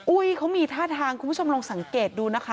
เขามีท่าทางคุณผู้ชมลองสังเกตดูนะคะ